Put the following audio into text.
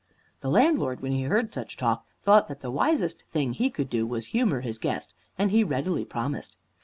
The landlord, when he heard such talk, thought that the wisest thing he could do was to humor his guest, and he readily promised.